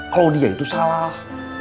kalau dia itu salah